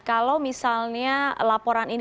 kalau misalnya laporan ini